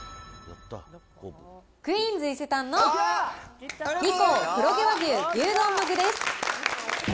クイーンズ伊勢丹の二幸黒毛和牛牛丼の具です。